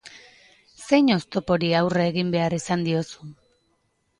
Zein oztopori aurre egin behar izan diozu?